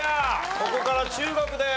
ここから中国です。